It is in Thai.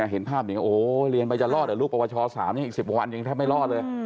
เห็นภาพนี้โอ้โหเรียนไปจะรอดลูกปวช๓อีก๑๐กว่าวันยังแทบไม่รอดเลย